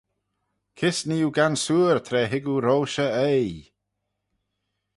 Kys nee oo gansoor tra hig oo roish e oaie?